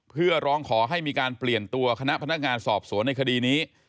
เพื่อร้องขอให้มีการเปลี่ยนตัวคณะพนักงานสอบสวนในคดีนี้